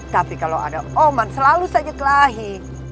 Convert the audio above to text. tapi kalau ada oman selalu saja kelahi